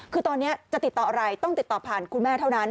คือตอนนี้จะติดต่ออะไรต้องติดต่อผ่านคุณแม่เท่านั้น